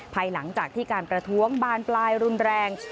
ภายหลังจากที่การประท้วงบานปลายรุนแรง